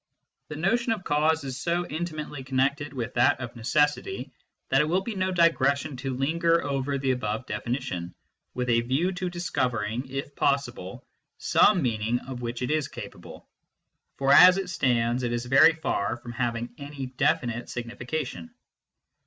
The notion of cause is so intimately connected with that of necessity that it will be no digression to linger over the above definition, with a view to discovering, if possible, some meaning of which it is capable ; for, as it stands, it is very far from having any definite signification.